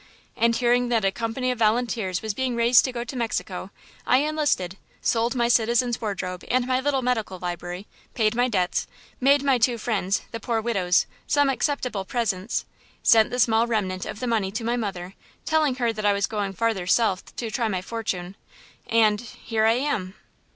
And, hearing that a company of volunteers was being raised to go to Mexico, I enlisted, sold my citizen's wardrobe and my little medical library, paid my debts, made my two friends, the poor widows, some acceptable presents, sent the small remnant of the money to my mother, telling her that I was going farther south to try my fortune, and–here I am."